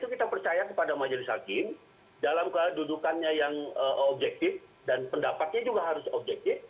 dan kita percaya kepada majelis hakim dalam kedudukannya yang objektif dan pendapatnya juga harus objektif